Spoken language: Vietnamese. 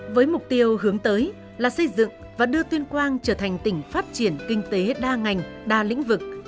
với mục tiêu hướng tới là xây dựng và đưa tuyên quang trở thành tỉnh phát triển kinh tế đa ngành đa lĩnh vực